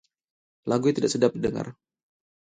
lagunya tidak sedap didengar